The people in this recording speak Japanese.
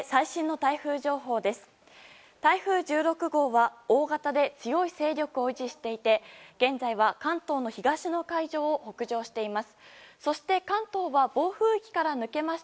台風１６号は大型で強い勢力を維持していて現在は、関東の東の海上を北上しています。